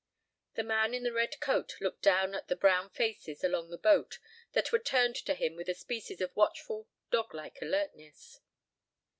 The man in the red coat looked down at the brown faces along the boat that were turned to him with a species of watchful, dog like alertness.